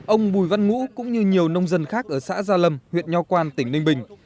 ông bùi văn ngũ cũng như nhiều nông dân khác ở xã gia lâm huyện nho quan tỉnh ninh bình